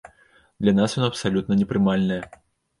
Для нас яно абсалютна непрымальнае.